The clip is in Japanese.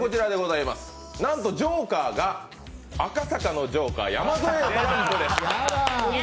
なんとジョーカーが赤坂のジョーカー・山添です。